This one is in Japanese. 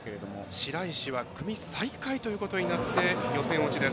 白石は組最下位ということになって予選落ちです。